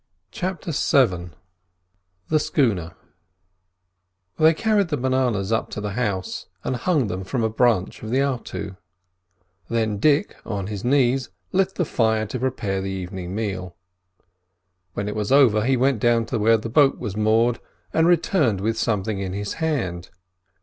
CHAPTER VII THE SCHOONER They carried the bananas up to the house, and hung them from a branch of the artu. Then Dick, on his knees, lit the fire to prepare the evening meal. When it was over he went down to where the boat was moored, and returned with something in his hand.